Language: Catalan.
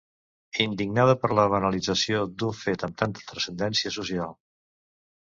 Indignada per la banalització d'un fet amb tanta transcendència social.